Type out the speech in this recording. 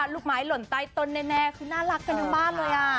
ลูกหมายหล่นใต้ตนแน่คือน่ารักกันมากเลยอ่ะ